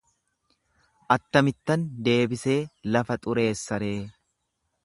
Attamittan deebisee lafa xureessa ree.